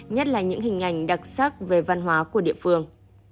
nhất là những hình ảnh đặc sắc về văn hóa của địa phương